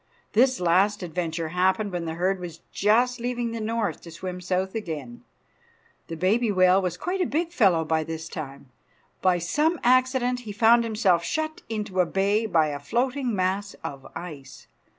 This last adventure happened when the herd was just leaving the north to swim south again. The baby whale was quite a big fellow by this time. By some accident he found himself shut into a bay by a floating mass of ice.